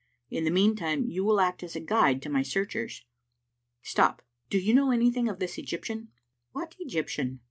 In the meantime you will act as a guide to my searchers. Stop! Do 5^ou know anything of this Egyptian?" "What Egyptian?